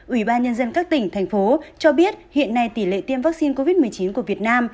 ủy ban nhân dân các tỉnh thành phố cho biết hiện nay tỷ lệ tiêm vaccine covid một mươi chín của việt nam